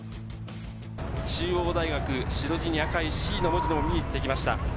中央大学、白地に赤い「Ｃ」の文字が見えてきました。